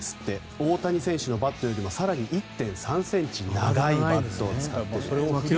大谷選手のバットよりも更に１．３ｃｍ長いバットを使うという。